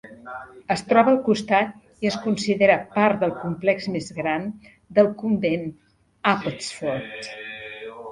Es troba al costat i es considera part del complex més gran del Convent Abbotsford.